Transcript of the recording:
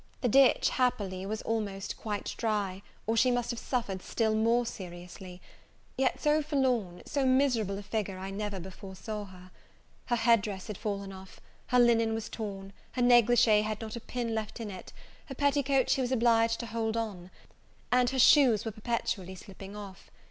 The ditch, happily, was almost quite dry, or she must have suffered still more seriously; yet so forlorn, so miserable a figure, I never before saw her. Her head dress had fallen off, her linen was torn, her negligee had not a pin left in it, her petticoats she was obliged to hold on, and her shoes were perpetually slipping off.